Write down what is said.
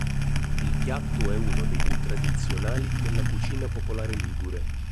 Il piatto è uno dei più tradizionali della cucina popolare ligure.